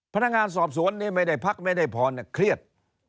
พนักงานสอบสวนนี่ไม่ได้พักไม่ได้พรเครียด